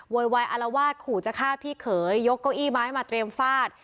โวยวายอารวาสขู่จะฆ่าพี่เขยยกเก้าอี้ไม้มาเตรียมฟาด